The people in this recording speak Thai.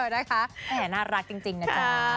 นะคะแห่น่ารักจริงนะจ๊ะ